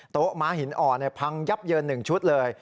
ม้าหินอ่อนพังยับเยิน๑ชุดเลย